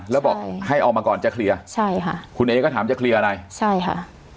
แล้วบอกให้ออกมาก่อนจะเคลียร์ใช่ค่ะคุณเอก็ถามจะเคลียร์อะไรใช่ค่ะ